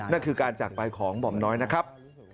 นั่นคือการจากไปของหม่อมน้อยนะครับ